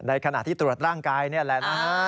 ขณะที่ตรวจร่างกายนี่แหละนะฮะ